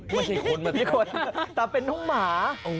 ไม่ใช่คนแต่เป็นห้องหมา